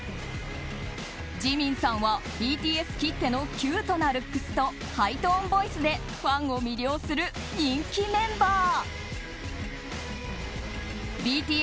ジミンさんはＢＴＳきってのキュートなルックスとハイトーンボイスでファンを魅了する人気メンバー。